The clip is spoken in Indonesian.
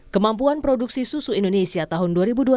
kemampuan produksi susu indonesia tahun dua ribu dua puluh